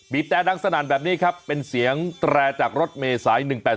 แตรดังสนั่นแบบนี้ครับเป็นเสียงแตรจากรถเมษาย๑๘๘